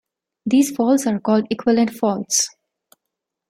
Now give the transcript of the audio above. These faults are called equivalent faults.